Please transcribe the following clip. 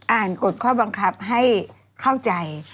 กฎข้อบังคับให้เข้าใจ